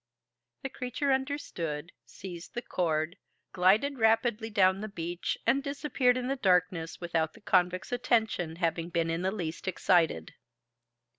The creature understood, seized the cord, glided rapidly down the beach, and disappeared in the darkness without the convicts' attention having been in the least excited.